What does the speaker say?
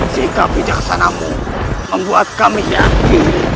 sikap bijaksanamu membuat kami yakin